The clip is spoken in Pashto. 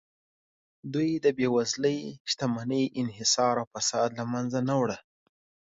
دوی د بېوزلۍ، شتمنۍ انحصار او فساد له منځه نه وړه